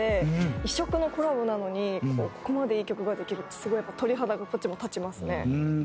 異色のコラボなのにここまでいい曲ができるってすごいやっぱ鳥肌がこっちも立ちますね。